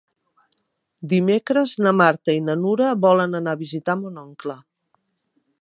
Dimecres na Marta i na Nura volen anar a visitar mon oncle.